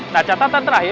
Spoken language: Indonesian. nah catatan terakhir